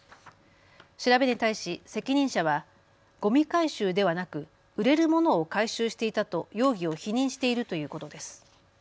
調べに対し責任者はごみ回収ではなく売れるものを回収していたと容疑を否認しているということです。